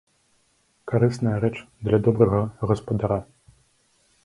Карысная рэч для добрага гаспадара.